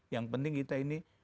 yang penting kita ini